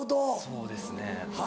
そうですね。